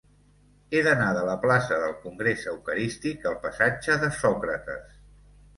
He d'anar de la plaça del Congrés Eucarístic al passatge de Sòcrates.